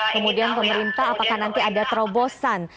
kemudian pemerintah apakah nanti ada terobosan